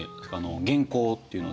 元寇っていうので。